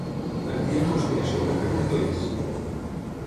L'antiga conspiració per fer-me feliç!